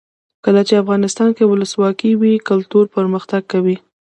کله چې افغانستان کې ولسواکي وي کلتور پرمختګ کوي.